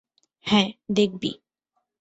হ্যাঁ, দেখবি।